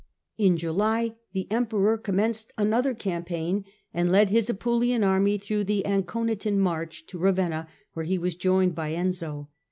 In July the Emperor commenced another campaign and led his Apulian army through the Anconitan March to Ravenna, where he was joined by Enzio.